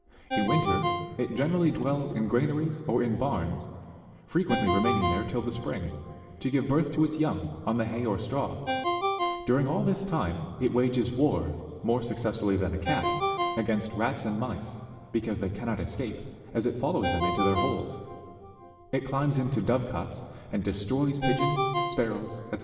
In winter, it generally dwells in granaries or in barns, frequently remaining there till the spring, to give birth to its young, on the hay or straw ; during all this time it wages war, more suc cessfully than a cat, against rats and mice, because they cannot escape, as it follows them into their holes ; it climbs, into dove cots, and destroys pigeons, sparrows, &c.